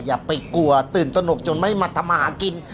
อย่าไปกลัวตื่นตนกจนไม่มาทำอาหารกิน